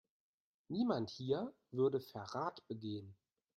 Niemand hier würde Verrat begehen.